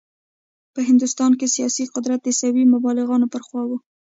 په هندوستان کې سیاسي قدرت د عیسوي مبلغانو پر خوا و.